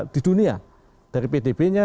di dunia dari pdb nya